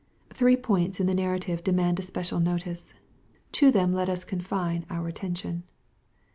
Three points in the narrative demand a special notice. To them let us confine our attention.